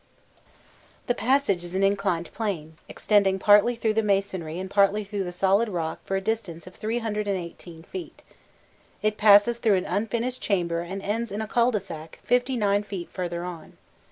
xi. The passage is an inclined plane, extending partly through the masonry and partly through the solid rock for a distance of 318 feet; it passes through an unfinished chamber and ends in a cul de sac 59 feet further on.